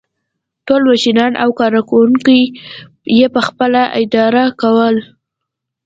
ټول منشیان او کارکوونکي یې پخپله اداره کول.